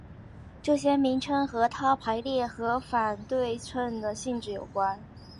这些名称与它排列和反对称的性质有关。